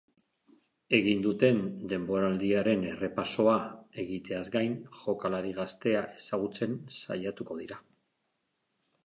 Egin duten denboraldiaren errepasoa egiteaz gain jokalari gaztea ezagutzen saiatuko dira.